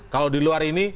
kalau di luar ini